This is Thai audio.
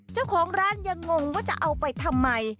เจ้าของร้านยังงงว่าจะเอาไปทำไม